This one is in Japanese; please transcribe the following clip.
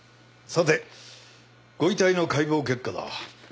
さてご遺体の解剖結果だ。